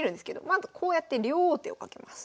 まずこうやって両王手をかけます。